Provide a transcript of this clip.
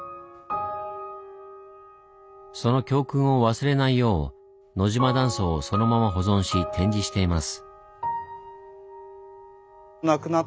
その教訓を忘れないよう野島断層をそのまま保存し展示しています。